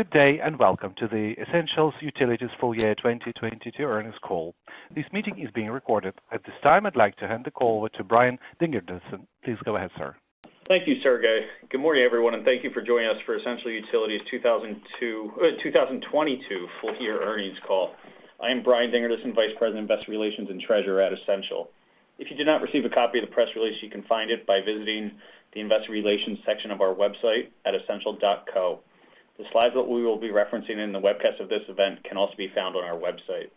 Good day, welcome to the Essential Utilities Full Year 2022 Earnings Call. This meeting is being recorded. At this time, I'd like to hand the call over to Brian Dingerdissen. Please go ahead, sir. Thank you, Sergei. Good morning, everyone, thank you for joining us for Essential Utilities 2022 Full Year Earnings Call. I am Brian Dingerdissen, Vice President of Investor Relations and Treasurer at Essential. If you did not receive a copy of the press release, you can find it by visiting the Investor Relations section of our website at essential.co. The slides that we will be referencing in the webcast of this event can also be found on our website.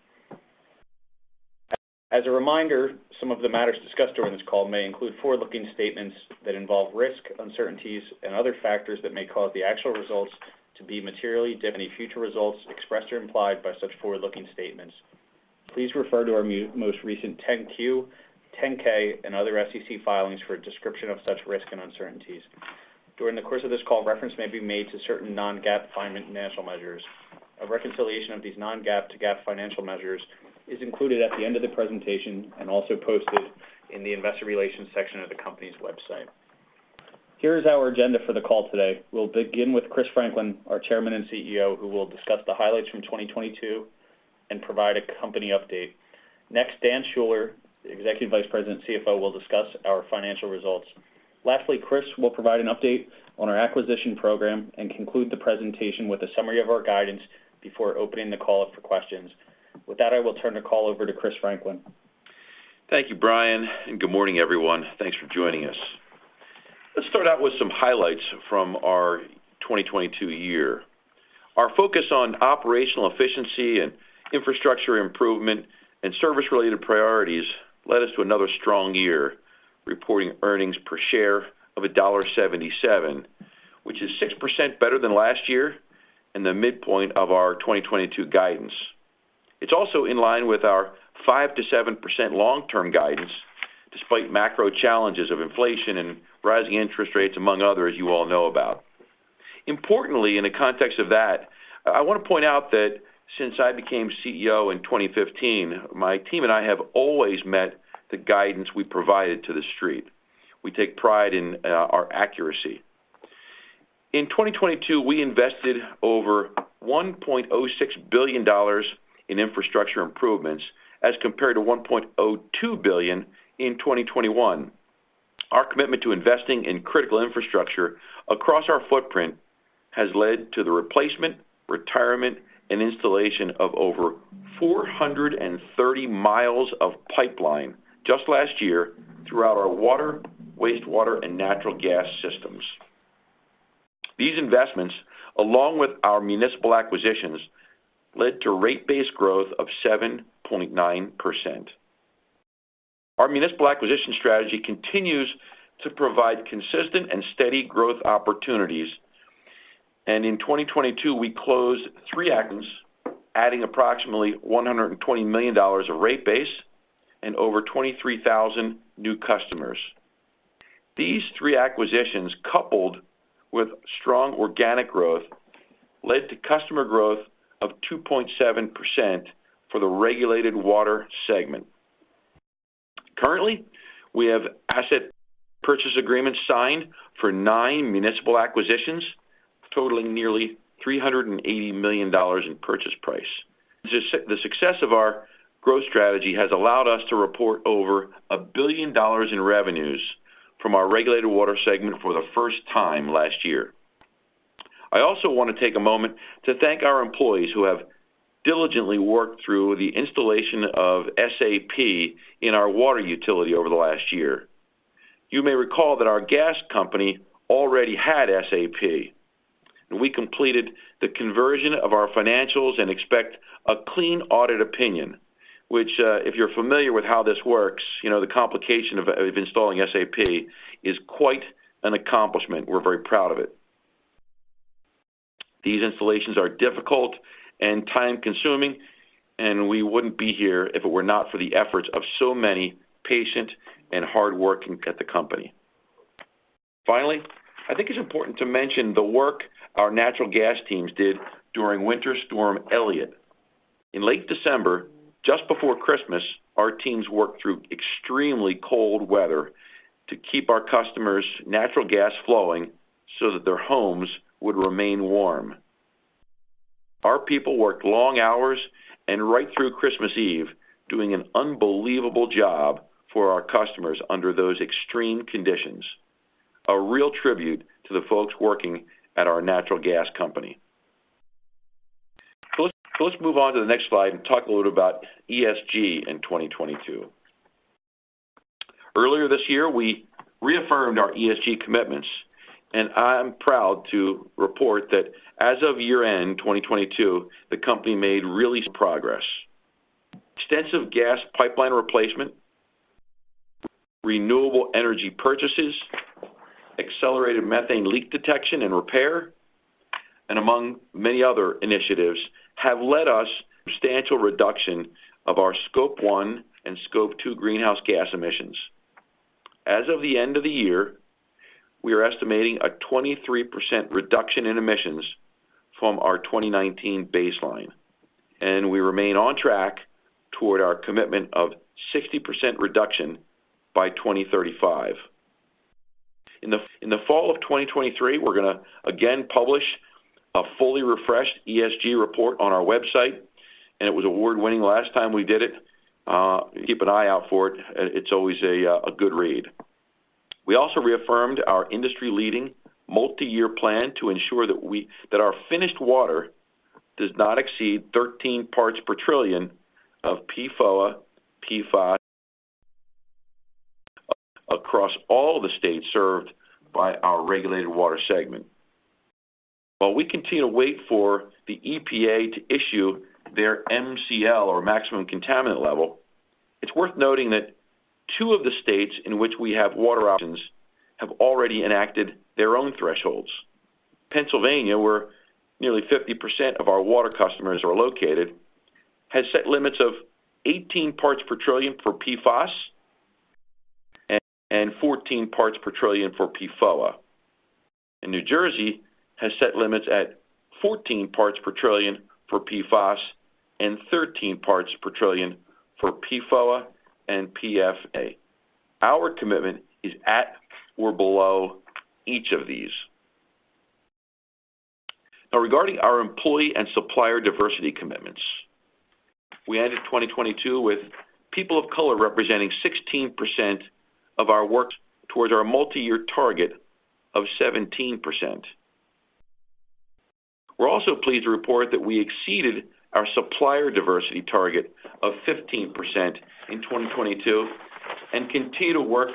As a reminder, some of the matters discussed during this call may include forward-looking statements that involve risk, uncertainties, and other factors that may cause the actual results to be materially different. Any future results expressed or implied by such forward-looking statements. Please refer to our most recent 10-Q, 10-K, and other SEC filings for a description of such risk and uncertainties. During the course of this call, reference may be made to certain non-GAAP financial measures. A reconciliation of these non-GAAP to GAAP financial measures is included at the end of the presentation and also posted in the Investor Relations section of the company's website. Here is our agenda for the call today. We'll begin with Chris Franklin, our Chairman and CEO, who will discuss the highlights from 2022 and provide a company update. Dan Schuller, the Executive Vice President, CFO, will discuss our financial results. Chris will provide an update on our acquisition program and conclude the presentation with a summary of our guidance before opening the call up for questions. With that, I will turn the call over to Chris Franklin. Thank you, Brian, and good morning, everyone. Thanks for joining us. Let's start out with some highlights from our 2022 year. Our focus on operational efficiency and infrastructure improvement and service-related priorities led us to another strong year, reporting earnings per share of $1.77, which is 6% better than last year and the midpoint of our 2022 guidance. It's also in line with our 5%-7% long-term guidance despite macro challenges of inflation and rising interest rates, among others you all know about. Importantly, in the context of that, I wanna point out that since I became CEO in 2015, my team and I have always met the guidance we provided to the street. We take pride in our accuracy. In 2022, we invested over $1.06 billion in infrastructure improvements as compared to $1.02 billion in 2021. Our commitment to investing in critical infrastructure across our footprint has led to the replacement, retirement, and installation of over 430 miles of pipeline just last year throughout our water, wastewater, and natural gas systems. These investments, along with our municipal acquisitions, led to rate-based growth of 7.9%. Our municipal acquisition strategy continues to provide consistent and steady growth opportunities. In 2022, we closed three actions, adding approximately $120 million of rate base and over 23,000 new customers. These three acquisitions, coupled with strong organic growth, led to customer growth of 2.7% for the regulated water segment. Currently, we have asset purchase agreements signed for nine municipal acquisitions, totaling nearly $380 million in purchase price. The success of our growth strategy has allowed us to report over $1 billion in revenues from our regulated water segment for the first time last year. I also wanna take a moment to thank our employees who have diligently worked through the installation of SAP in our water utility over the last year. You may recall that our gas company already had SAP, and we completed the conversion of our financials and expect a clean audit opinion, which, if you're familiar with how this works, you know, the complication of installing SAP is quite an accomplishment. We're very proud of it. These installations are difficult and time-consuming, and we wouldn't be here if it were not for the efforts of so many patient and hardworking at the company. Finally, I think it's important to mention the work our natural gas teams did during Winter Storm Elliott. In late December, just before Christmas, our teams worked through extremely cold weather to keep our customers' natural gas flowing so that their homes would remain warm. Our people worked long hours and right through Christmas Eve, doing an unbelievable job for our customers under those extreme conditions. A real tribute to the folks working at our natural gas company. Let's move on to the next slide and talk a little about ESG in 2022. Earlier this year, we reaffirmed our ESG commitments, and I'm proud to report that as of year-end 2022, the company made really progress. Extensive gas pipeline replacement, renewable energy purchases, accelerated methane leak detection and repair, among many other initiatives, have led us substantial reduction of our Scope 1 and Scope 2 greenhouse gas emissions. As of the end of the year, we are estimating a 23% reduction in emissions from our 2019 baseline, and we remain on track toward our commitment of 60% reduction by 2035. In the fall of 2023, we're going to again publish a fully refreshed ESG report on our website, and it was award-winning last time we did it. Keep an eye out for it. It's always a good read. We also reaffirmed our industry-leading multi-year plan to ensure that our finished water does not exceed 13 parts per trillion of PFOA, PFOS across all the states served by our regulated water segment. While we continue to wait for the EPA to issue their MCL or maximum contaminant level, it's worth noting that two of the states in which we have water options have already enacted their own thresholds. Pennsylvania, where nearly 50% of our water customers are located, has set limits of 18 parts per trillion for PFOS and 14 parts per trillion for PFOA. New Jersey has set limits at 14 parts per trillion for PFOS and 13 parts per trillion for PFOA and PFA. Our commitment is at or below each of these. Now, regarding our employee and supplier diversity commitments, we ended 2022 with people of color representing 16% of our workforce towards our multi-year target of 17%. We're also pleased to report that we exceeded our supplier diversity target of 15% in 2022 and continue to work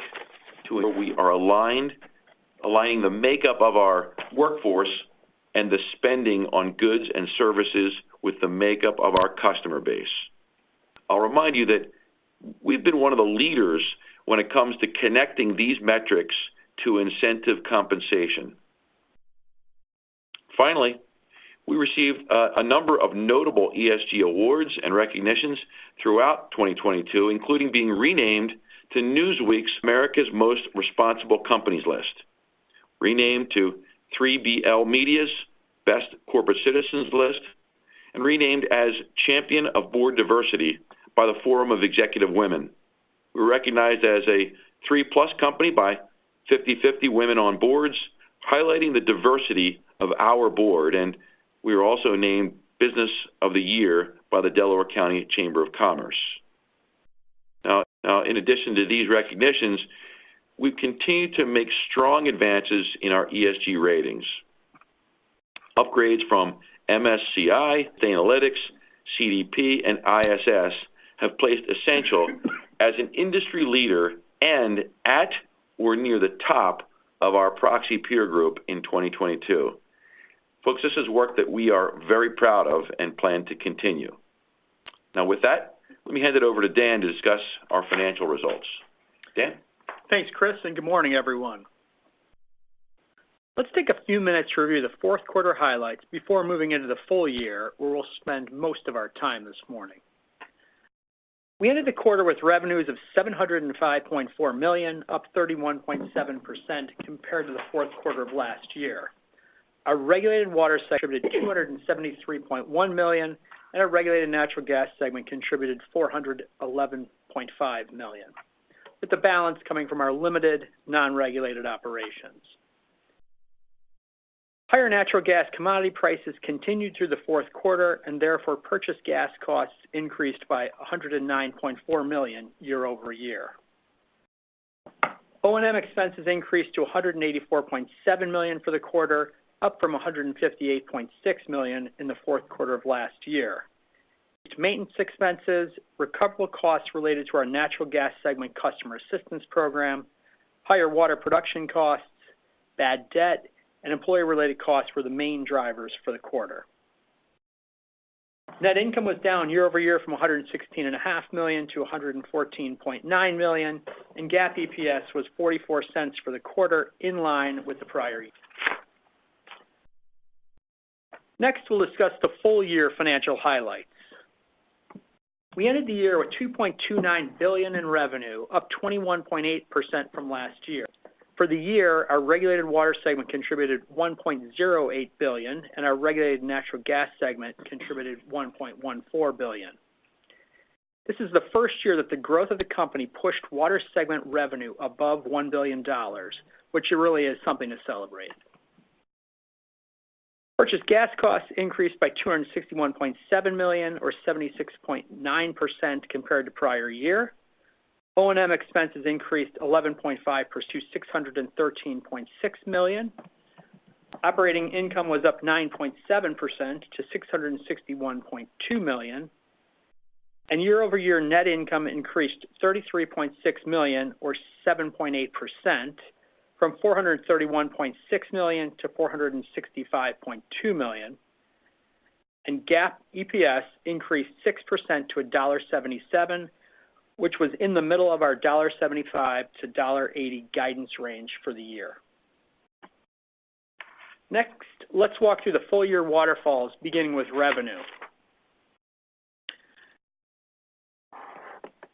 to ensure we are aligning the makeup of our workforce and the spending on goods and services with the makeup of our customer base. I'll remind you that we've been one of the leaders when it comes to connecting these metrics to incentive compensation. Finally, we received a number of notable ESG awards and recognitions throughout 2022, including being renamed to Newsweek's America's Most Responsible Companies list, renamed to 3BL Media's Best Corporate Citizens list, and renamed as Champion of Board Diversity by The Forum of Executive Women. We're recognized as a 3+ company by 50/50 Women on Boards, highlighting the diversity of our board, and we were also named Business of the Year by the Delaware County Chamber of Commerce. In addition to these recognitions, we've continued to make strong advances in our ESG ratings. Upgrades from MSCI, Sustainalytics, CDP, and ISS have placed Essential as an industry leader and at or near the top of our proxy peer group in 2022. Folks, this is work that we are very proud of and plan to continue. With that, let me hand it over to Dan to discuss our financial results. Dan? Thanks, Chris. Good morning, everyone. Let's take a few minutes to review the fourth quarter highlights before moving into the full year, where we'll spend most of our time this morning. We ended the quarter with revenues of $705.4 million, up 31.7% compared to the fourth quarter of last year. Our regulated water sector contributed $273.1 million, and our regulated natural gas segment contributed $411.5 million, with the balance coming from our limited non-regulated operations. Higher natural gas commodity prices continued through the fourth quarter, and therefore, purchase gas costs increased by $109.4 million year-over-year. O&M expenses increased to $184.7 million for the quarter, up from $158.6 million in the fourth quarter of last year. Increased maintenance expenses, recoverable costs related to our natural gas segment customer assistance program, higher water production costs, bad debt, and employee-related costs were the main drivers for the quarter. Net income was down year-over-year from $116 and a half million to $114.9 million, and GAAP EPS was $0.44 for the quarter, in line with the prior year. We'll discuss the full year financial highlights. We ended the year with $2.29 billion in revenue, up 21.8% from last year. For the year, our regulated water segment contributed $1.08 billion, and our regulated natural gas segment contributed $1.14 billion. This is the first year that the growth of the company pushed water segment revenue above $1 billion, which really is something to celebrate. Purchase gas costs increased by $261.7 million or 76.9% compared to prior year. O&M expenses increased 11.5% to $613.6 million. Operating income was up 9.7% to $661.2 million. Year-over-year net income increased $33.6 million or 7.8% from $431.6 million to $465.2 million. GAAP EPS increased 6% to $1.77, which was in the middle of our $1.75-$1.80 guidance range for the year. Next, let's walk through the full year waterfalls, beginning with revenue.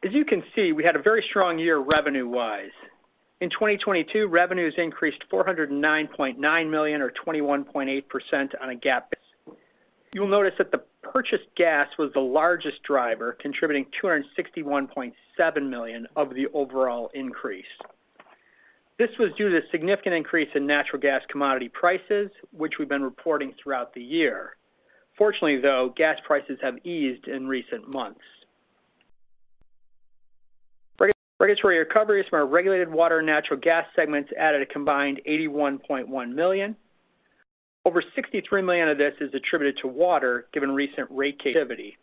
As you can see, we had a very strong year revenue-wise. In 2022, revenues increased $409.9 million or 21.8% on a GAAP basis. You will notice that the purchased gas was the largest driver, contributing $261.7 million of the overall increase. This was due to significant increase in natural gas commodity prices, which we've been reporting throughout the year. Fortunately, though, gas prices have eased in recent months. Regulatory recoveries from our regulated water and natural gas segments added a combined $81.1 million. Over $63 million of this is attributed to water given recent rate activity.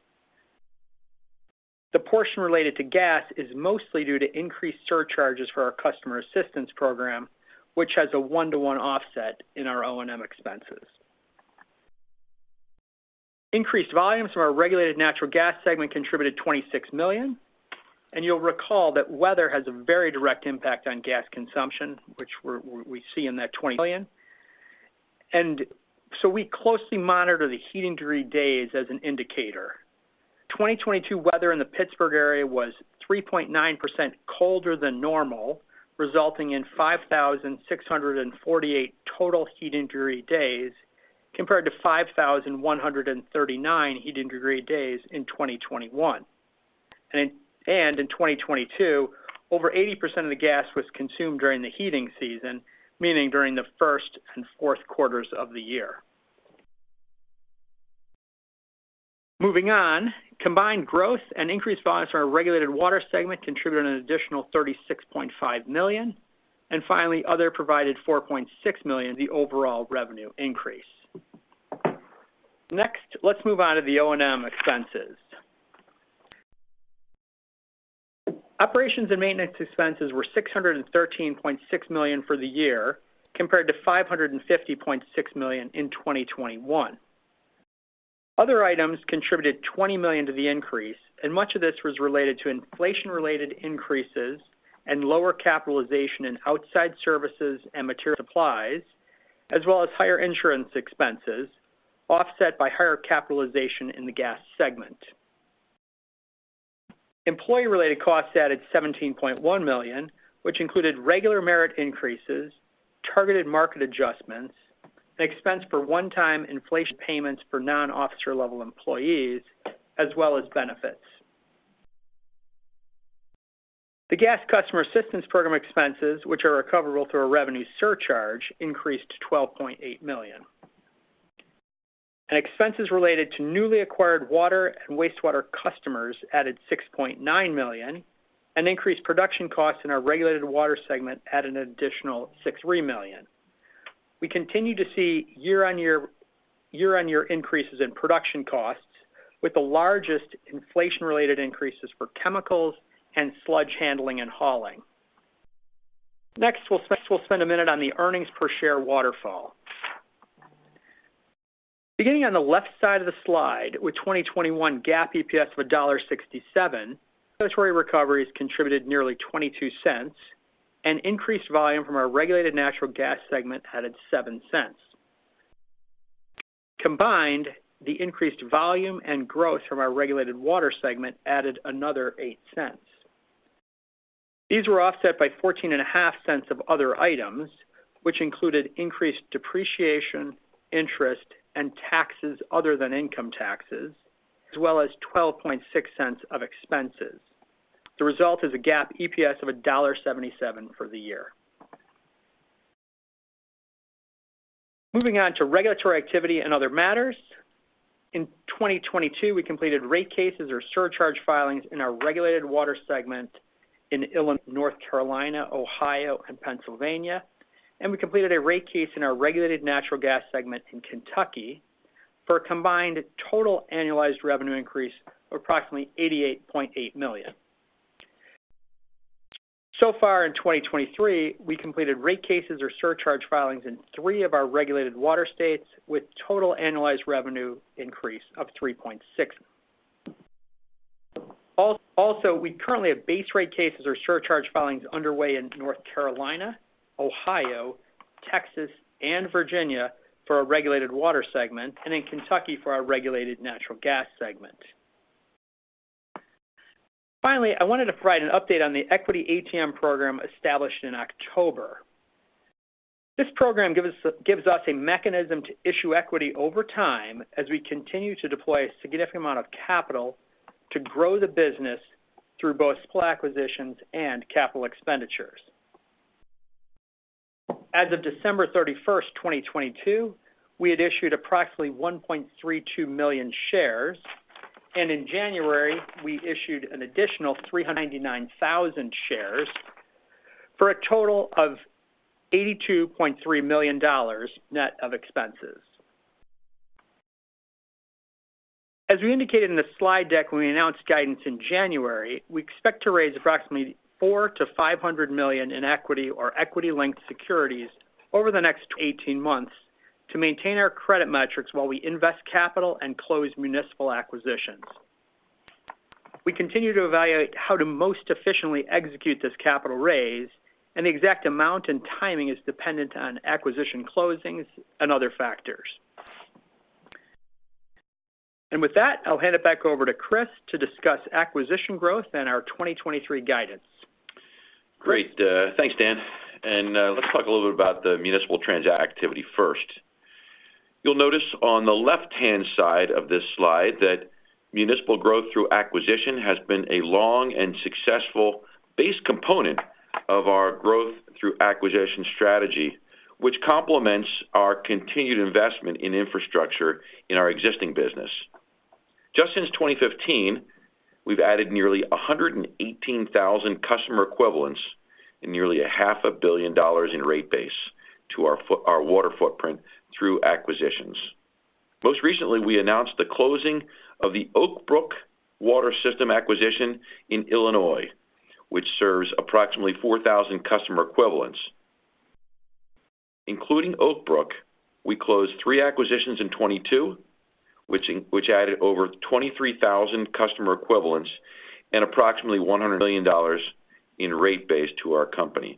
The portion related to gas is mostly due to increased surcharges for our customer assistance program, which has a one-to-one offset in our O&M expenses. Increased volumes from our regulated natural gas segment contributed $26 million. You'll recall that weather has a very direct impact on gas consumption, which we see in that $20 million. We closely monitor the heating degree days as an indicator. 2022 weather in the Pittsburgh area was 3.9% colder than normal, resulting in 5,648 total heating degree days compared to 5,139 heating degree days in 2021. In 2022, over 80% of the gas was consumed during the heating season, meaning during the first and fourth quarters of the year. Moving on. Combined growth and increased volumes from our regulated water segment contributed an additional $36.5 million. Finally, other provided $4.6 million, the overall revenue increase. Next, let's move on to the O&M expenses. Operations and maintenance expenses were $613.6 million for the year compared to $550.6 million in 2021. Other items contributed $20 million to the increase. Much of this was related to inflation-related increases and lower capitalization in outside services and material supplies, as well as higher insurance expenses, offset by higher capitalization in the gas segment. Employee-related costs added $17.1 million, which included regular merit increases, targeted market adjustments, an expense for one-time inflation payments for non-officer level employees, as well as benefits. The gas customer assistance program expenses, which are recoverable through a revenue surcharge, increased to $12.8 million. Expenses related to newly acquired water and wastewater customers added $6.9 million, and increased production costs in our regulated water segment added an additional $6.3 million. We continue to see year on year on year increases in production costs, with the largest inflation-related increases for chemicals and sludge handling and hauling. Next, we'll spend a minute on the earnings per share waterfall. Beginning on the left side of the slide with 2021 GAAP EPS of $1.67, regulatory recoveries contributed nearly $0.22, Increased volume from our regulated natural gas segment added $0.07. Combined, the increased volume and growth from our regulated water segment added another $0.08. These were offset by 14.5 cents of other items, which included increased depreciation, interest, and taxes other than income taxes, as well as $0.126 of expenses. The result is a GAAP EPS of $1.77 for the year. Moving on to regulatory activity and other matters. In 2022, we completed rate cases or surcharge filings in our regulated water segment in Illinois, North Carolina, Ohio, and Pennsylvania, and we completed a rate case in our regulated natural gas segment in Kentucky for a combined total annualized revenue increase of approximately $88.8 million. So far in 2023, we completed rate cases or surcharge filings in three of our regulated water states with total annualized revenue increase of $3.6 million. Also, we currently have base rate cases or surcharge filings underway in North Carolina, Ohio, Texas, and Virginia for our regulated water segment, and in Kentucky for our regulated natural gas segment. Finally, I wanted to provide an update on the equity ATM program established in October. This program gives us a mechanism to issue equity over time as we continue to deploy a significant amount of capital to grow the business through both supply acquisitions and capital expenditures. As of December 31st, 2022, we had issued approximately 1.32 million shares, and in January, we issued an additional 399,000 shares for a total of $82.3 million net of expenses. As we indicated in the slide deck when we announced guidance in January, we expect to raise approximately $400 million-$500 million in equity or equity-linked securities over the next 18 months to maintain our credit metrics while we invest capital and close municipal acquisitions. We continue to evaluate how to most efficiently execute this capital raise. The exact amount and timing is dependent on acquisition closings and other factors. With that, I'll hand it back over to Chris to discuss acquisition growth and our 2023 guidance. Great. Thanks, Dan. Let's talk a little bit about the municipal activity first. You'll notice on the left-hand side of this slide that municipal growth through acquisition has been a long and successful base component of our growth through acquisition strategy, which complements our continued investment in infrastructure in our existing business. Just since 2015, we've added nearly 118,000 customer equivalents and nearly a half a billion dollars in rate base to our water footprint through acquisitions. Most recently, we announced the closing of the Oak Brook Water System acquisition in Illinois, which serves approximately 4,000 customer equivalents. Including Oak Brook, we closed three acquisitions in 2022, which added over 23,000 customer equivalents and approximately $100 million in rate base to our company.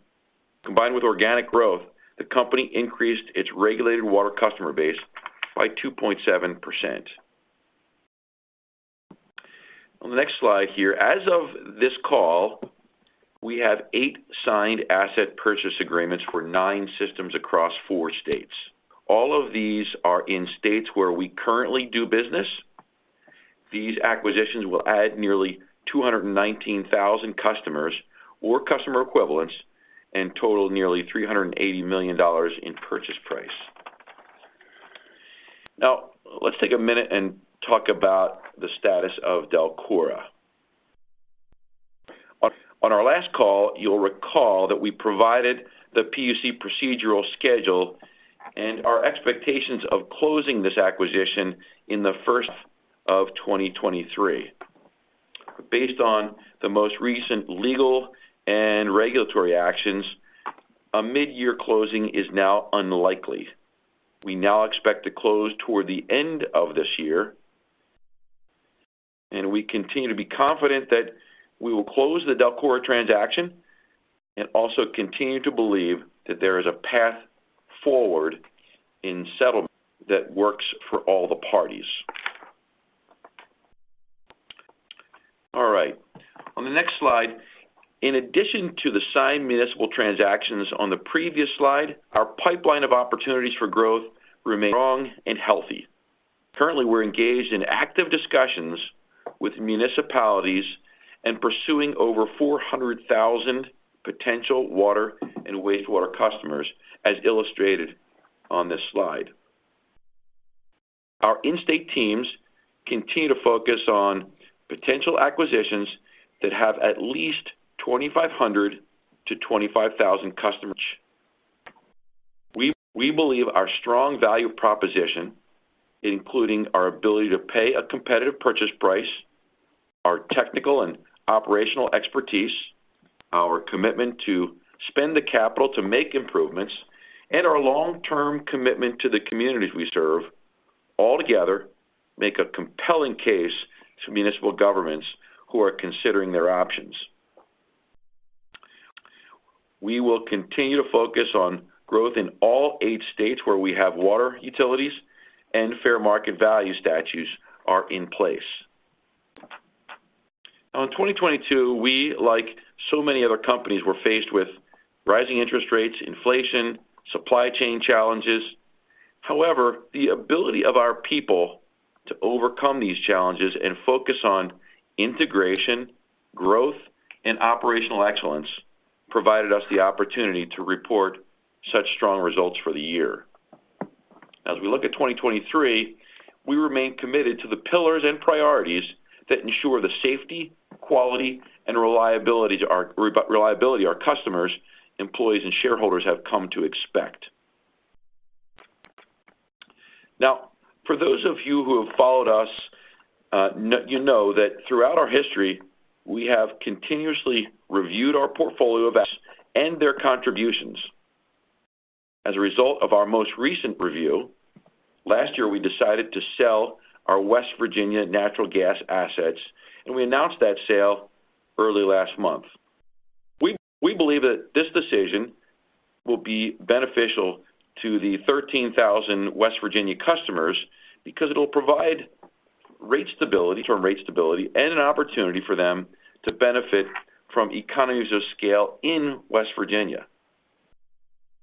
Combined with organic growth, the company increased its regulated water customer base by 2.7%. On the next slide here, as of this call, we have eight signed asset purchase agreements for nine systems across four states. All of these are in states where we currently do business. These acquisitions will add nearly 219,000 customers or customer equivalents and total nearly $380 million in purchase price. Now let's take a minute and talk about the status of DELCORA. On our last call, you'll recall that we provided the PUC procedural schedule and our expectations of closing this acquisition in the first of 2023. Based on the most recent legal and regulatory actions, a midyear closing is now unlikely. We now expect to close toward the end of this year, we continue to be confident that we will close the DELCORA transaction and also continue to believe that there is a path forward in settlement that works for all the parties. On the next slide, in addition to the signed municipal transactions on the previous slide, our pipeline of opportunities for growth remain strong and healthy. Currently, we're engaged in active discussions with municipalities and pursuing over 400,000 potential water and wastewater customers as illustrated on this slide. Our in-state teams continue to focus on potential acquisitions that have at least 2,500-25,000 customers. We believe our strong value proposition, including our ability to pay a competitive purchase price, our technical and operational expertise, our commitment to spend the capital to make improvements, and our long-term commitment to the communities we serve altogether make a compelling case to municipal governments who are considering their options. We will continue to focus on growth in all 8 states where we have water utilities and fair market value statutes are in place. 2022, we, like so many other companies, were faced with rising interest rates, inflation, supply chain challenges. However, the ability of our people to overcome these challenges and focus on integration, growth, and operational excellence provided us the opportunity to report such strong results for the year. As we look at 2023, we remain committed to the pillars and priorities that ensure the safety, quality, and reliability to our reliability our customers, employees, and shareholders have come to expect. For those of you who have followed us, you know that throughout our history we have continuously reviewed our portfolio of assets and their contributions. As a result of our most recent review, last year, we decided to sell our West Virginia natural gas assets, and we announced that sale early last month. We believe that this decision will be beneficial to the 13,000 West Virginia customers because it'll provide term rate stability and an opportunity for them to benefit from economies of scale in West Virginia.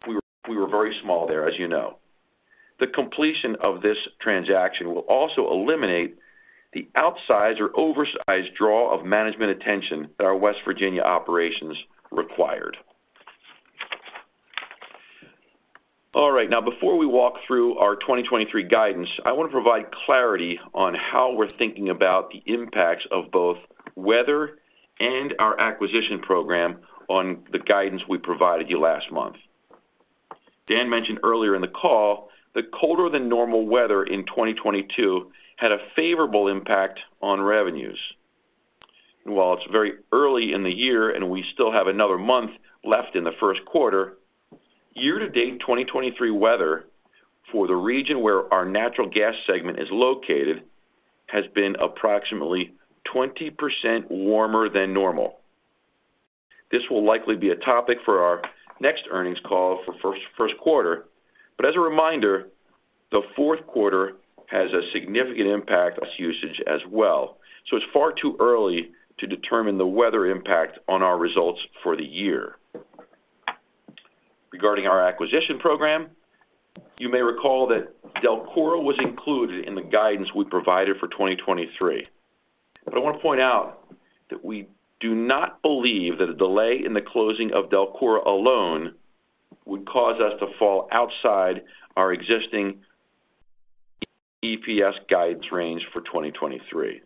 We were very small there, as you know. The completion of this transaction will also eliminate the outsized or oversized draw of management attention that our West Virginia operations required. All right, now before we walk through our 2023 guidance, I want to provide clarity on how we're thinking about the impacts of both weather and our acquisition program on the guidance we provided you last month. Dan mentioned earlier in the call that colder than normal weather in 2022 had a favorable impact on revenues. While it's very early in the year and we still have another month left in the first quarter, year to date, 2023 weather for the region where our natural gas segment is located has been approximately 20% warmer than normal. This will likely be a topic for our next earnings call for first quarter. As a reminder, the fourth quarter has a significant impact on usage as well, so it's far too early to determine the weather impact on our results for the year. Regarding our acquisition program, you may recall that DELCORA was included in the guidance we provided for 2023. I want to point out that we do not believe that a delay in the closing of DELCORA alone would cause us to fall outside our existing EPS guidance range for 2023.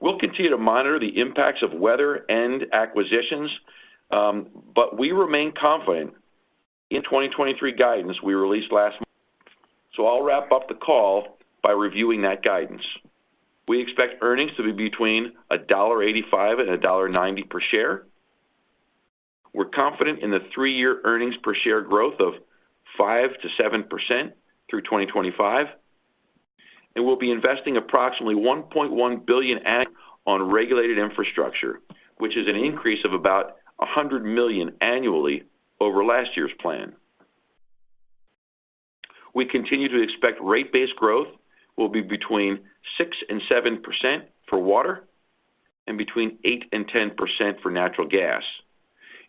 We'll continue to monitor the impacts of weather and acquisitions, but we remain confident in 2023 guidance we released last. I'll wrap up the call by reviewing that guidance. We expect earnings to be between $1.85 and $1.90 per share. We're confident in the three-year earnings per share growth of 5%-7% through 2025. We'll be investing approximately $1.1 billion annually on regulated infrastructure, which is an increase of about $100 million annually over last year's plan. We continue to expect rate-based growth will be between 6% and 7% for water and between 8% and 10% for natural gas.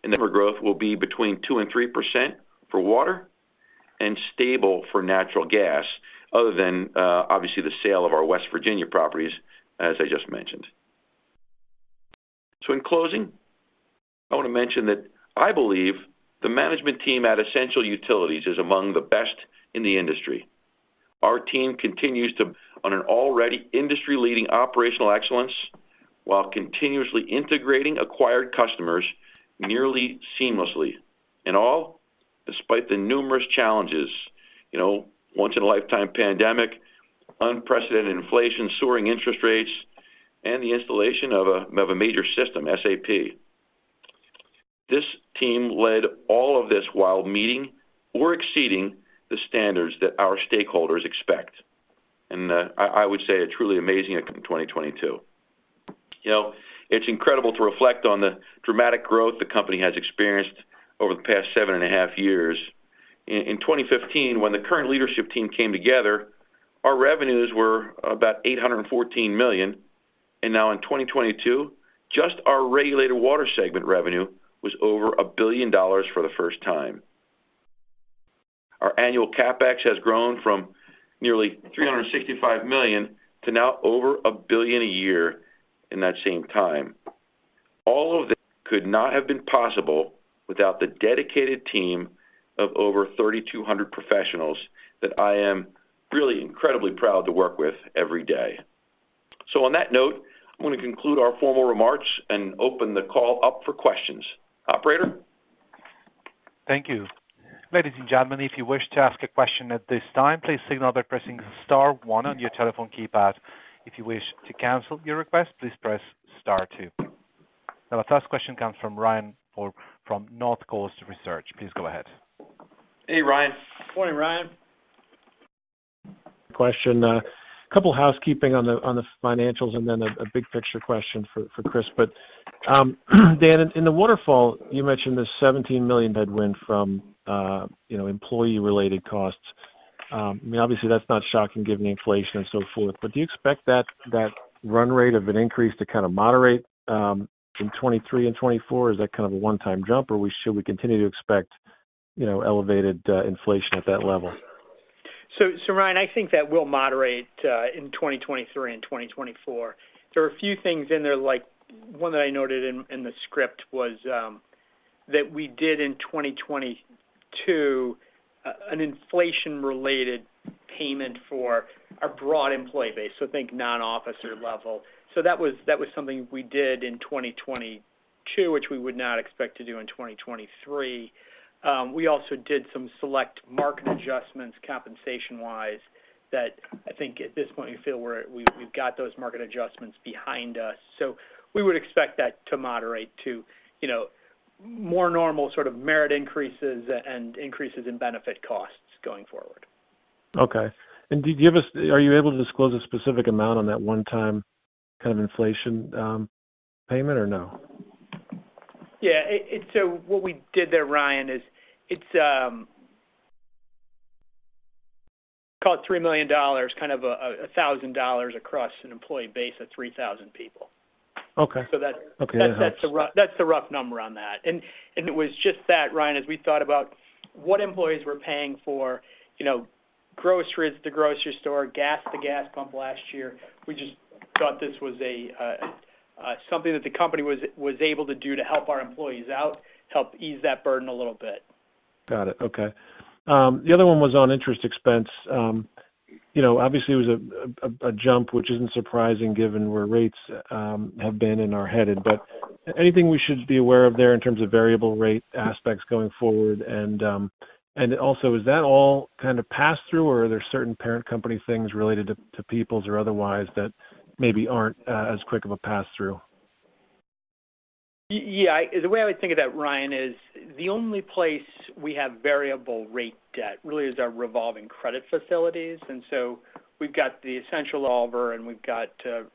Number growth will be between 2% and 3% for water and stable for natural gas, other than, obviously the sale of our West Virginia properties, as I just mentioned. In closing, I want to mention that I believe the management team at Essential Utilities is among the best in the industry. Our team continues on an already industry-leading operational excellence while continuously integrating acquired customers nearly seamlessly and all despite the numerous challenges, you know, once in a lifetime pandemic, unprecedented inflation, soaring interest rates, and the installation of a major system, SAP. This team led all of this while meeting or exceeding the standards that our stakeholders expect. I would say a truly amazing in 2022. You know, it's incredible to reflect on the dramatic growth the company has experienced over the past seven and a half years. In 2015, when the current leadership team came together, our revenues were about $814 million. Now in 2022, just our regulated water segment revenue was over $1 billion for the first time. Our annual CapEx has grown from nearly $365 million to now over $1 billion a year in that same time. All of this could not have been possible without the dedicated team of over 3,200 professionals that I am really incredibly proud to work with every day. On that note, I want to conclude our formal remarks and open the call up for questions. Operator? Thank you. Ladies and gentlemen, if you wish to ask a question at this time, please signal by pressing star one on your telephone keypad. If you wish to cancel your request, please press star two. Now our first question comes from Ryan Connors from Northcoast Research. Please go ahead. Hey, Ryan. Morning, Ryan. Question. A couple housekeeping on the financials and then a big picture question for Chris. Dan, in the waterfall, you mentioned the $17 million headwind from, you know, employee-related costs. I mean, obviously that's not shocking given the inflation and so forth, but do you expect that run rate of an increase to kind of moderate in 2023 and 2024? Is that kind of a one-time jump, or should we continue to expect, you know, elevated inflation at that level? Ryan, I think that will moderate in 2023 and 2024. There are a few things in there, like one that I noted in the script was that we did in 2022 an inflation-related payment for our broad employee base, so think non-officer level. That was something we did in 2022, which we would not expect to do in 2023. We also did some select market adjustments compensation-wise that I think at this point we feel we've got those market adjustments behind us. We would expect that to moderate to, you know, more normal sort of merit increases and increases in benefit costs going forward. Okay. Are you able to disclose a specific amount on that one-time kind of inflation, payment or no? Yeah. What we did there, Ryan, is it's called $3 million, kind of a, $1,000 across an employee base of 3,000 people. Okay. That's the rough number on that. It was just that, Ryan, as we thought about what employees were paying for, you know, groceries at the grocery store, gas at the gas pump last year. We just thought this was something that the company was able to do to help our employees out, help ease that burden a little bit. Got it. Okay. The other one was on interest expense. You know, obviously it was a jump, which isn't surprising given where rates have been and are headed. Anything we should be aware of there in terms of variable rate aspects going forward? Also, is that all kind of pass-through, or are there certain parent company things related to peoples or otherwise that maybe aren't as quick of a pass-through? Yeah. The way I would think of that, Ryan, is the only place we have variable rate debt really is our revolving credit facilities. We've got the Essential revolver and we've got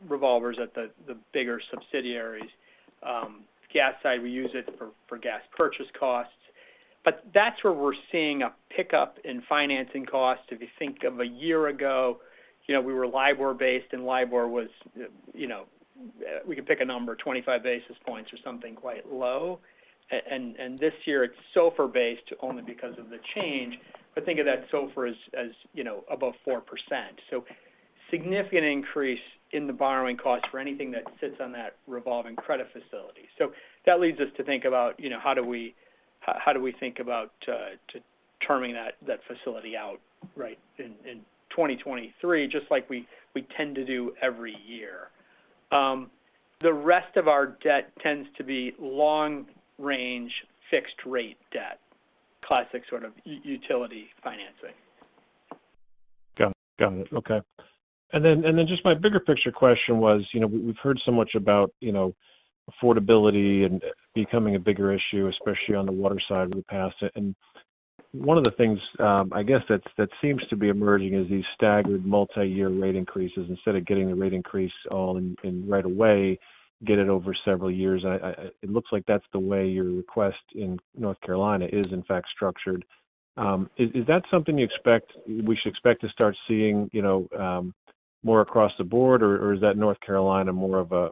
revolvers at the bigger subsidiaries. Gas side, we use it for gas purchase costs. That's where we're seeing a pickup in financing costs. If you think of a year ago, you know, we were LIBOR-based, and LIBOR was, you know, we could pick a number, 25 basis points or something quite low. This year, it's SOFR-based only because of the change. Think of that SOFR as, you know, above 4%. Significant increase in the borrowing cost for anything that sits on that revolving credit facility. That leads us to think about, you know, how do we think about to terming that facility out right in 2023, just like we tend to do every year. The rest of our debt tends to be long range fixed rate debt, classic sort of utility financing. Got it. Okay. Then, and then just my bigger picture question was, you know, we've heard so much about, you know, affordability and becoming a bigger issue, especially on the water side of the pass? One of the things, I guess that seems to be emerging is these staggered multiyear rate increases. Instead of getting the rate increase all in right away, get it over several years. It looks like that's the way your request in North Carolina is in fact structured. Is that something we should expect to start seeing, you know, more across the board, or is that North Carolina more of a,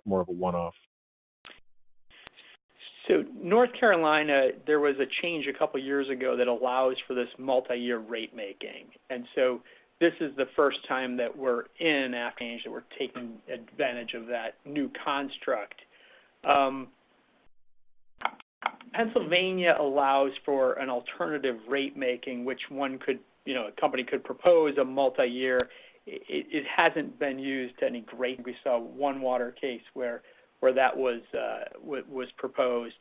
more of a one-off? North Carolina, there was a change two years ago that allows for this multiyear rate making. This is the first time that we're in that change, that we're taking advantage of that new construct. Pennsylvania allows for an alternative rate making, which one could, you know, a company could propose a multiyear. It hasn't been used any great. We saw one water case where that was proposed.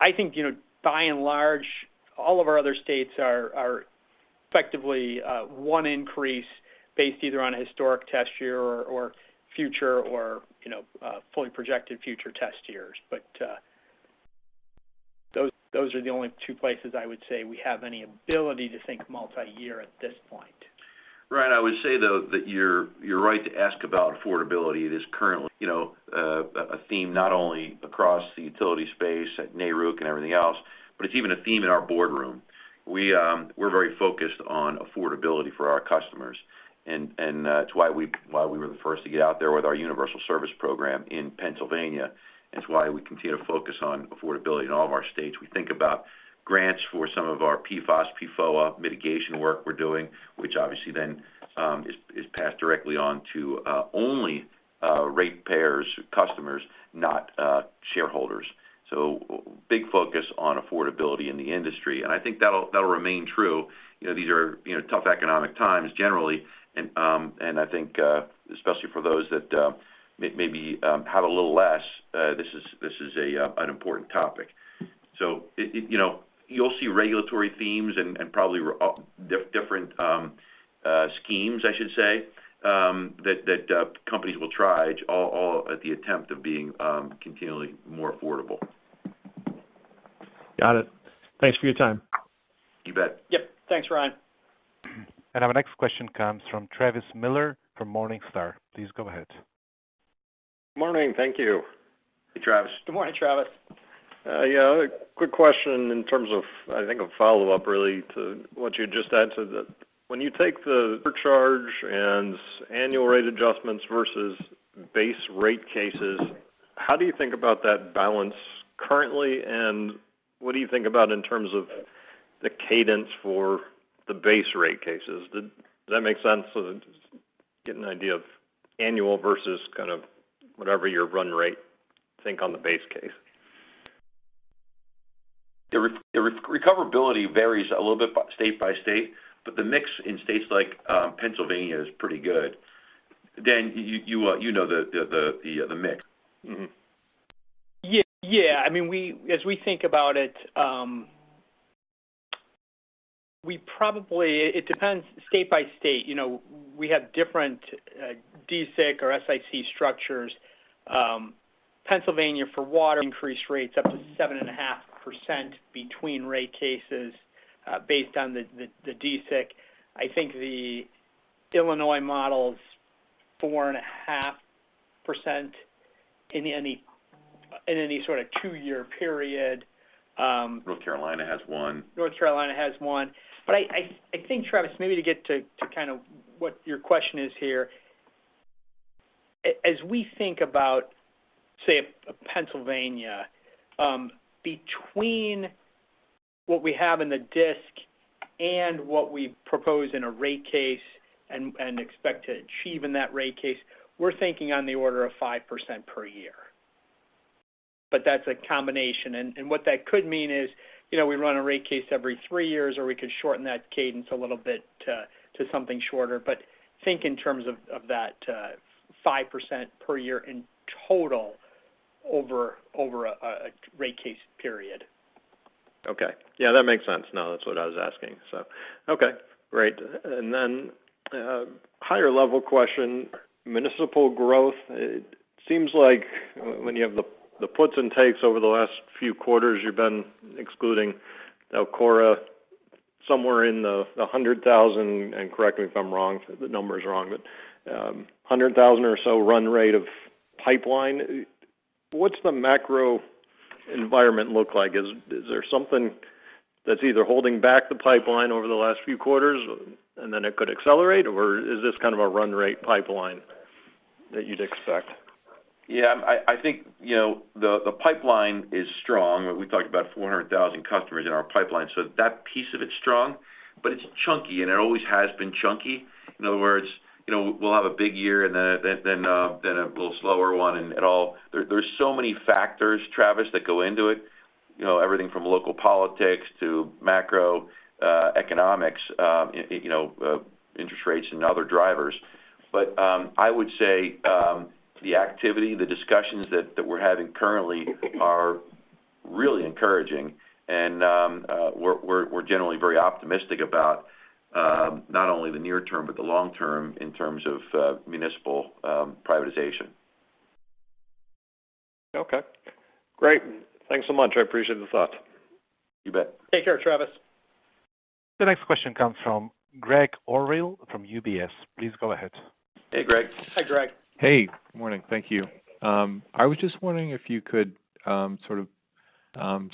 I think, you know, by and large, all of our other states are effectively one increase based either on a historic test year or future or, you know, fully projected future test years. Those are the only two places I would say we have any ability to think multiyear at this point. Ryan, I would say, though, that you're right to ask about affordability. It is currently, you know, a theme not only across the utility space at NARUC and everything else, but it's even a theme in our boardroom. We're very focused on affordability for our customers, and it's why we were the first to get out there with our universal service program in Pennsylvania. It's why we continue to focus on affordability in all of our states. We think about grants for some of our PFAS, PFOA mitigation work we're doing, which obviously then is passed directly on to only ratepayers, customers, not shareholders. Big focus on affordability in the industry, and I think that'll remain true. You know, these are, you know, tough economic times generally, and I think especially for those that have a little less, this is an important topic. You know, you'll see regulatory themes and probably re-up different schemes, I should say, that companies will try all at the attempt of being continually more affordable. Got it. Thanks for your time. You bet. Yep. Thanks, Ryan. Our next question comes from Travis Miller from Morningstar. Please go ahead. Morning. Thank you. Hey, Travis. Good morning, Travis. Quick question in terms of, I think a follow-up really to what you just answered. When you take the surcharge and annual rate adjustments versus base rate cases, how do you think about that balance currently, and what do you think about in terms of the cadence for the base rate cases? Did that make sense? Just get an idea of annual versus kind of whatever your run rate think on the base case? The recoverability varies a little bit by state by state, but the mix in states like Pennsylvania is pretty good. Dan, you know, the mix. Yeah. I mean, as we think about it, we probably it depends state by state. You know, we have different DSIC or DSIC structures. Pennsylvania for water increase rates up to 7.5% between rate cases, based on the DSIC. I think the Illinois model is 4.5% in any sort of two-year period. North Carolina has one. North Carolina has one. I think, Travis, maybe to get to kind of what your question is here. As we think about, say, Pennsylvania, between what we have in the DSIC and what we propose in a rate case and expect to achieve in that rate case, we're thinking on the order of 5% per year. That's a combination. What that could mean is, you know, we run a rate case every three years, or we could shorten that cadence a little bit to something shorter. Think in terms of that 5% per year in total over a rate case period. Okay. Yeah, that makes sense. No, that's what I was asking. Okay, great. Higher level question, municipal growth. It seems like when you have the puts and takes over the last few quarters, you've been excluding DELCORA. Somewhere in the 100,000, and correct me if I'm wrong, if the number is wrong, but 100,000 or so run rate of pipeline. What's the macro environment look like? Is there something that's either holding back the pipeline over the last few quarters, and then it could accelerate, or is this kind of a run rate pipeline that you'd expect? Yeah, I think, you know, the pipeline is strong. We talked about 400,000 customers in our pipeline. That piece of it's strong, but it's chunky, and it always has been chunky. In other words, you know, we'll have a big year and then a little slower one and at all. There's so many factors, Travis, that go into it, you know, everything from local politics to macroeconomics, you know, interest rates and other drivers. I would say, the activity, the discussions that we're having currently are really encouraging, and we're generally very optimistic about not only the near term, but the long-term in terms of municipal privatization. Okay, great. Thanks so much. I appreciate the thought. You bet. Take care, Travis. The next question comes from Gregg Orrill from UBS. Please go ahead. Hey, Gregg. Hi, Gregg. Hey. Good morning. Thank you. I was just wondering if you could sort of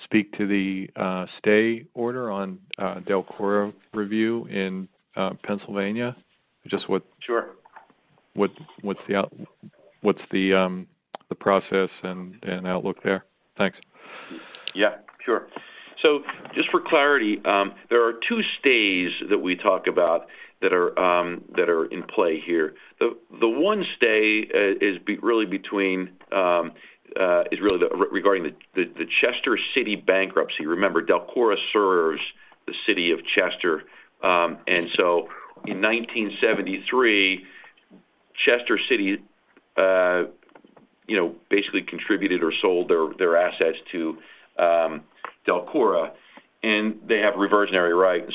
speak to the stay order on DELCORA review in Pennsylvania? Sure. What's the process and outlook there? Thanks. Yeah, sure. Just for clarity, there are two stays that we talk about that are in play here. The one stay regarding the Chester City bankruptcy. Remember, DELCORA serves the city of Chester. In 1973, Chester City, you know, basically contributed or sold their assets to DELCORA, and they have reversionary rights.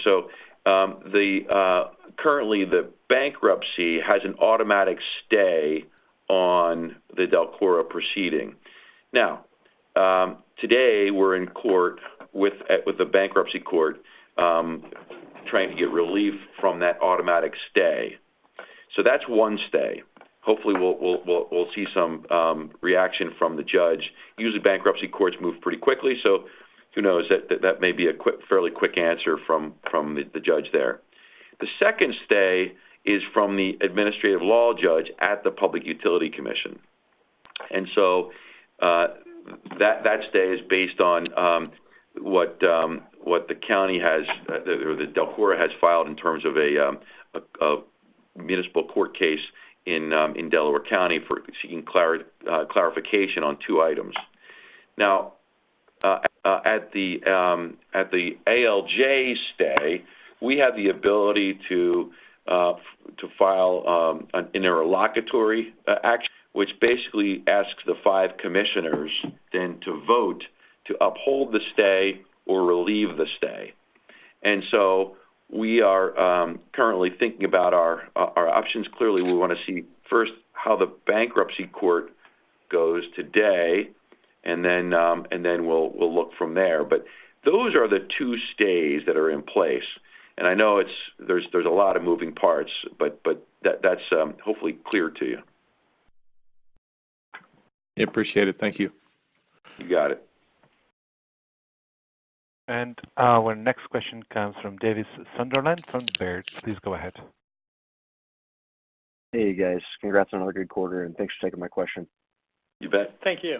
Currently the bankruptcy has an automatic stay on the DELCORA proceeding. Today we're in court with the bankruptcy court trying to get relief from that automatic stay. That's one stay. Hopefully we'll see some reaction from the judge. Usually, bankruptcy courts move pretty quickly, who knows? That may be a fairly quick answer from the judge there. The second stay is from the administrative law judge at the Public Utility Commission. That stay is based on what the county has or that DELCORA has filed in terms of a municipal court case in Delaware County for seeking clarification on two items. Now, at the ALJ stay, we have the ability to file an interlocutory act, which basically asks the five commissioners then to vote to uphold the stay or relieve the stay. We are currently thinking about our options. Clearly, we want to see first how the bankruptcy court goes today, and then we'll look from there. Those are the two stays that are in place. I know there's a lot of moving parts, but that's hopefully clear to you. Yeah, appreciate it. Thank you. You got it. Our next question comes from Davis Sunderland, from Baird. Please go ahead. Hey, guys. Congrats on another good quarter, and thanks for taking my question. You bet. Thank you.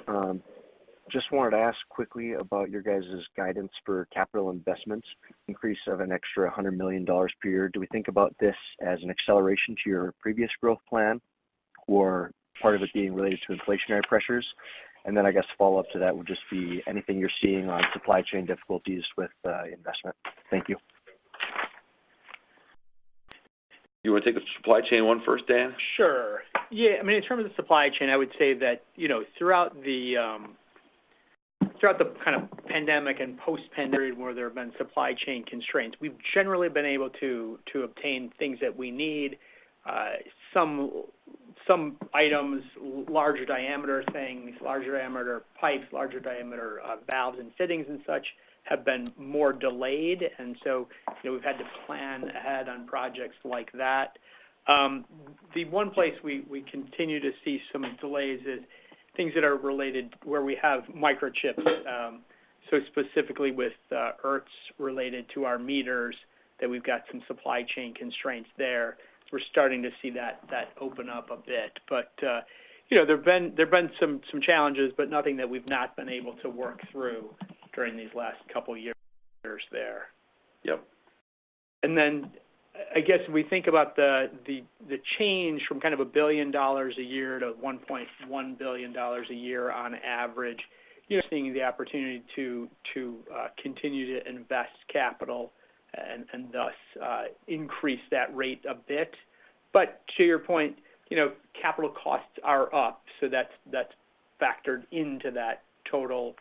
Just wanted to ask quickly about your guys' guidance for capital investments increase of an extra $100 million per year. Do we think about this as an acceleration to your previous growth plan or part of it being related to inflationary pressures? I guess follow up to that would just be anything you're seeing on supply chain difficulties with investment? Thank you. You want to take the supply chain one first, Dan? Sure. Yeah. I mean, in terms of supply chain, I would say that, you know, throughout the kind of pandemic and post-pandemic where there have been supply chain constraints, we've generally been able to obtain things that we need. Some items, larger diameter things, larger diameter pipes, larger diameter valves and fittings and such, have been more delayed, you know, we've had to plan ahead on projects like that. The one place we continue to see some delays is things that are related where we have microchips, so specifically with IRTs related to our meters, that we've got some supply chain constraints there. We're starting to see that open up a bit you know, there's been some challenges, but nothing that we've not been able to work through during these last couple years there. Yep. I guess we think about the change from kind of $1 billion a year to $1.1 billion a year on average, you're seeing the opportunity to continue to invest capital and thus increase that rate a bit. To your point, you know, capital costs are up, so that's factored into that total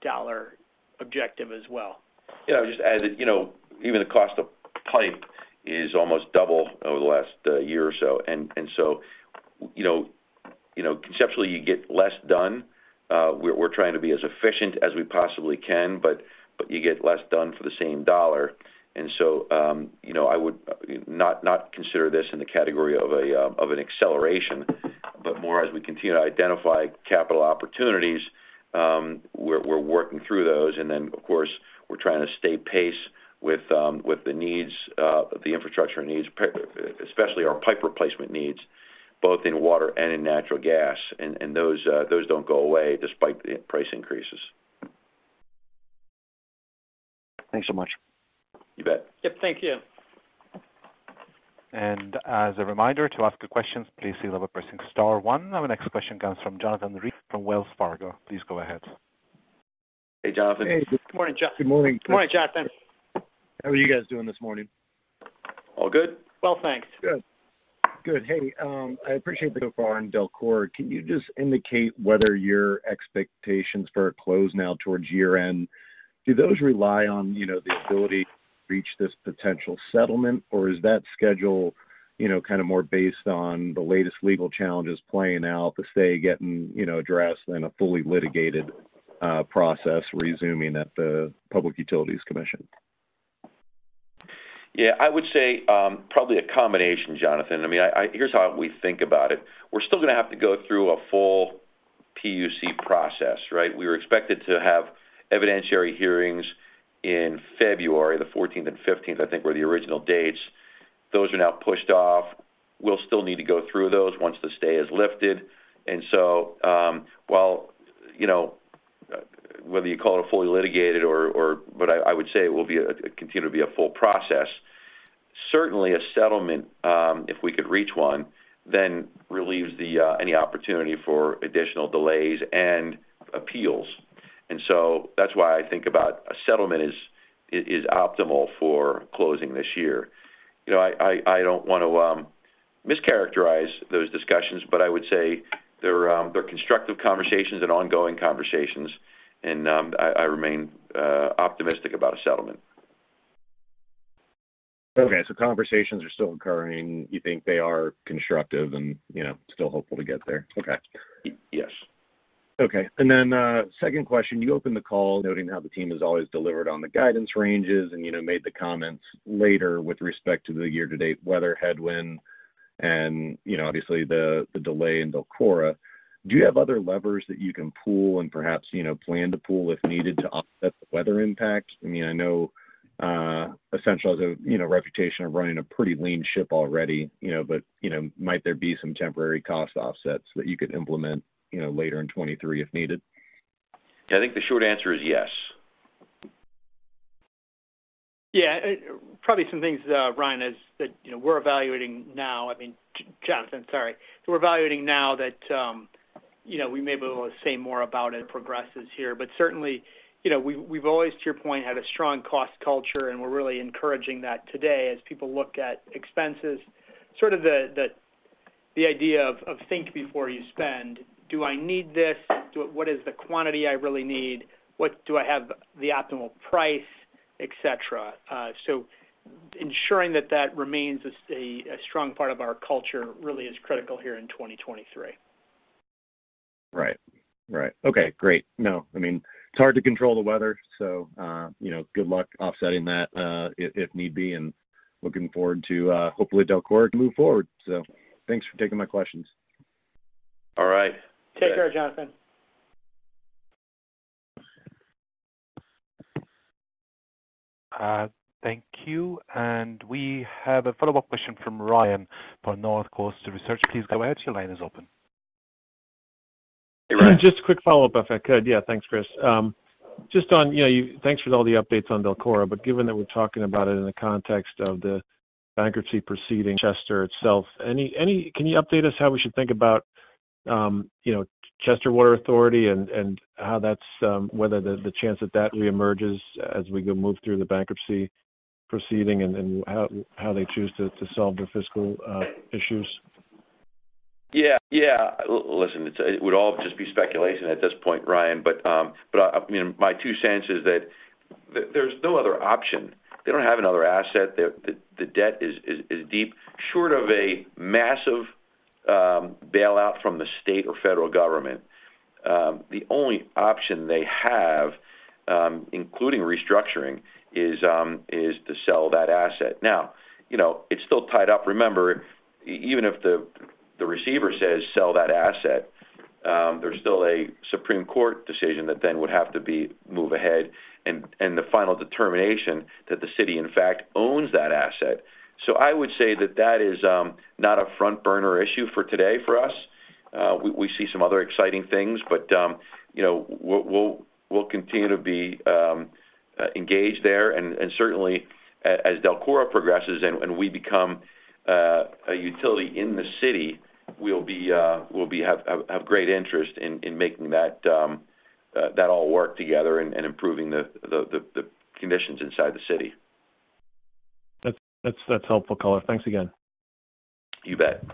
dollar objective as well. Yeah, I'll just add that, you know, even the cost of pipe is almost double over the last year or so. You know, conceptually, you get less done. We're trying to be as efficient as we possibly can, but you get less done for the same dollar. You know, I would not consider this in the category of an acceleration, but more as we continue to identify capital opportunities, we're working through those. Of course, we're trying to stay pace with the needs, the infrastructure needs, especially our pipe replacement needs, both in water and in natural gas. Those don't go away despite the price increases. Thanks so much. You bet. Yep, thank you. As a reminder, to ask a question, please see love of pressing star one. Our next question comes from Jonathan Reeder from Wells Fargo. Please go ahead. Hey, Jonathan. Hey. Good morning, John. Good morning. Good morning, Jonathan. How are you guys doing this morning? All good. Well, thanks. Good. Hey, I appreciate so far in DELCORA. Can you just indicate whether your expectations for a close now towards year-end, do those rely on, you know, the ability to reach this potential settlement, or is that schedule, you know, kind of more based on the latest legal challenges playing out, the state getting, you know, addressed in a fully litigated process resuming at the Public Utility Commission? Yeah, I would say, probably a combination, Jonathan Reeder. I mean, here's how we think about it. We're still gonna have to go through a full PUC process, right? We were expected to have evidentiary hearings in February, the 14th and 15th, I think, were the original dates. Those are now pushed off. We'll still need to go through those once the stay is lifted. While, you know, whether you call it fully litigated or, but I would say it will continue to be a full process. Certainly, a settlement, if we could reach one, then relieves the any opportunity for additional delays and appeals. That's why I think about a settlement is optimal for closing this year. You know, I don't want to mischaracterize those discussions. I would say they're constructive conversations and ongoing conversations. I remain optimistic about a settlement. Okay. Conversations are still occurring. You think they are constructive and, you know, still hopeful to get there? Okay. Yes. Okay. Then, second question, you opened the call noting how the team has always delivered on the guidance ranges and, you know, made the comments later with respect to the year-to-date weather headwind and, you know, obviously the delay in DELCORA. Do you have other levers that you can pull and perhaps, you know, plan to pull if needed to offset the weather impact? I mean, I know, Essential has a, you know, reputation of running a pretty lean ship already, you know, might there be some temporary cost offsets that you could implement, you know, later in 2023 if needed? I think the short answer is yes. Yeah. Probably some things, Ryan, as that, you know, we're evaluating now. I mean Jonathan, sorry. We're evaluating now that, you know, we may be able to say more about it progresses here, but certainly, you know, we've always, to your point, had a strong cost culture, and we're really encouraging that today as people look at expenses, sort of the idea of think before you spend. Do I need this? What is the quantity I really need? Do I have the optimal price, etc? Ensuring that that remains a strong part of our culture really is critical here in 2023. Right. Right. Okay, great. No, I mean, it's hard to control the weather, so, you know, good luck offsetting that, if need be, and looking forward to, hopefully DELCORA to move forward. Thanks for taking my questions. All right. Take care, Jonathan. Thank you. And we have a follow-up question from Ryan Connors, Northcoast Research. Please go ahead, your line is open. Hey, Ryan. Just a quick follow-up if I could. Yeah, thanks, Chris. Just on, you know, thanks for all the updates on DELCORA, but given that we're talking about it in the context of the bankruptcy proceeding, Chester itself, any can you update us how we should think about, you know, Chester Water Authority and how that's, whether the chance that reemerges as we move through the bankruptcy proceeding and how they choose to solve the fiscal issues? Yeah. Yeah. Listen, it's it would all just be speculation at this point, Ryan, but, I mean, my two cents is that there's no other option. They don't have another asset. The debt is deep. Short of a massive bailout from the state or federal government, the only option they have, including restructuring, is to sell that asset. You know, it's still tied up. Remember, even if the receiver says, "Sell that asset," there's still a Supreme Court decision that then would have to be move ahead and the final determination that the city, in fact, owns that asset. I would say that that is not a front burner issue for today for us. We see some other exciting things, but, you know, we'll continue to be engaged there and certainly as DELCORA progresses and we become a utility in the city, we'll be have great interest in making that all work together and improving the conditions inside the city. That's helpful color. Thanks again. You bet.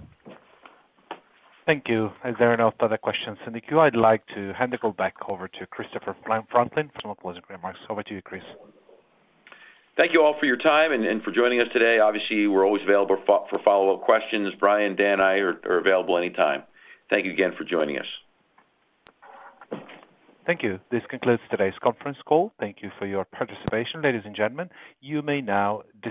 Thank you. As there are no further questions in the queue, I'd like to hand the call back over to Christopher Franklin for some closing remarks. Over to you, Chris. Thank you all for your time and for joining us today. Obviously, we're always available for follow-up questions. Brian, Dan, I are available anytime. Thank you again for joining us. Thank you. This concludes today's conference call. Thank you for your participation. Ladies and gentlemen, you may now disconnect.